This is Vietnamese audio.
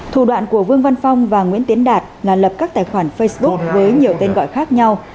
thủ đoạn của vương văn phong và nguyễn tiến đạt là lập các tài khoản facebook với nhiều tên gọi khác nhau